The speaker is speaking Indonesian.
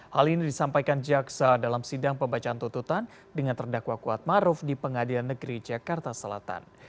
hal ini disampaikan jaksa dalam sidang pembacaan tuntutan dengan terdakwa kuatmaruf di pengadilan negeri jakarta selatan